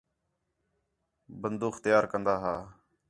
بندوخ تیار کن٘دا ہا